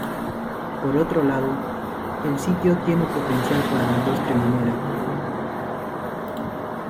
Por otro lado, el sitio tiene potencial para la industria minera